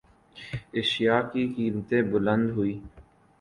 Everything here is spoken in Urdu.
اشیا کی قیمتیں بلند ہوئیں